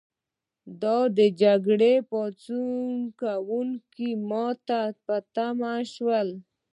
دا جګړه د پاڅون کوونکو په ماتې تمامه شوه.